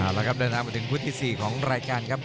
แล้วครับเดินทางมาถึงพุธที่๔ของรายการครับ